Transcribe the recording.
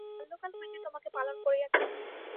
বাল্যকাল হইতে তোমাকে পালন করিয়াছি।